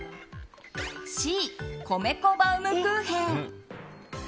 Ｃ、米粉バウムクーヘン。